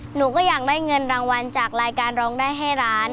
หนูก็อยากได้เงินรางวัลจากรายการร้องได้ให้ร้าน